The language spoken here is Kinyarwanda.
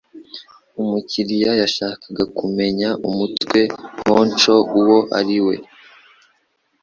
Umukiriya yashakaga kumenya umutwe honcho uwo ari we.